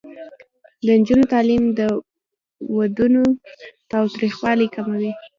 د نجونو تعلیم د ودونو تاوتریخوالي کموي.